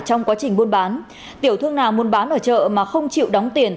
trong quá trình buôn bán tiểu thương nào muốn bán ở chợ mà không chịu đóng tiền